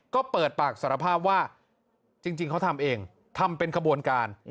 ก็เปิดปากสารภาพว่าจริงเขาทำเองทำเป็นขบวนการ